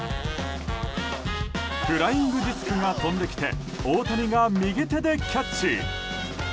フライングディスクが飛んできて大谷が右手でキャッチ。